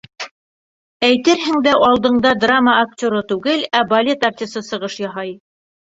Әйтерһең дә, алдыңда драма актеры түгел, ә балет артисы сығыш яһай.